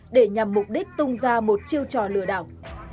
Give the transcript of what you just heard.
để nhằm mục đích tung ra một chiêu trò lừa đảo